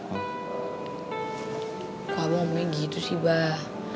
kok abah ngomongnya gitu sih abah